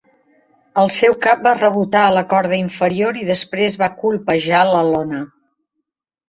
El seu cap va rebotar a la corda inferior i després va colpejar la lona.